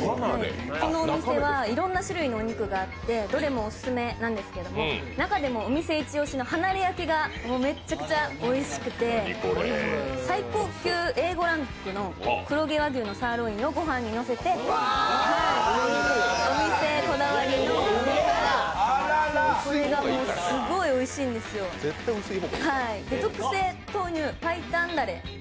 このお店はいろんな種類のお肉があってどれもオススメなんですけど、中でもお店一押しのＨＡＮＡＲＥ焼きがめちゃくちゃおいしくて、最高級Ａ５ランクの黒毛和牛のサーロインをごはんにのせてお店こだわりの、おいしいんですよ、特製豆乳白湯ダレ。